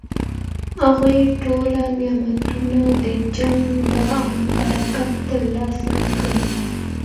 هغوی ټول نعمتونه د جنګ له برکته ترلاسه کړي.